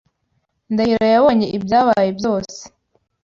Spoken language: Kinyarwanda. Ndahiro yabonye ibyabaye byose.